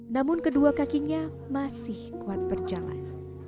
namun kedua kakinya masih kuat berjalan